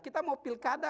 kita mau pilkada